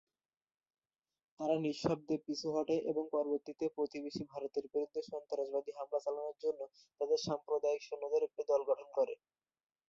তারা নিঃশব্দে পিছু হটে এবং পরবর্তীতে প্রতিবেশী ভারতের বিরুদ্ধে সন্ত্রাসবাদী হামলা চালানোর জন্য তাদের সাম্প্রদায়িক সৈন্যদের একটি দল গঠন করে।